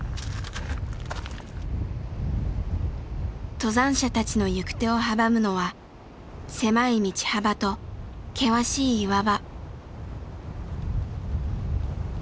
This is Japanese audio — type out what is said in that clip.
登山者たちの行く手を阻むのは狭い道幅と険しい岩場。